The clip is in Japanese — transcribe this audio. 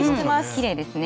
きれいですね。